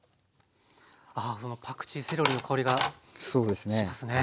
あパクチーセロリの香りがしますね。